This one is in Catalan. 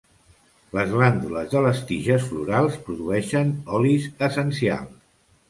Les glàndules de les tiges florals produeixen olis essencials.